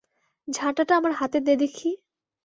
ঝাঁটাটা আমার হাতে দে দেখি।